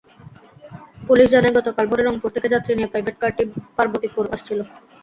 Police জানায়, গতকাল ভোরে রংপুর থেকে যাত্রী নিয়ে প্রাইভেটকারটি পার্বতীপুর আসছিল।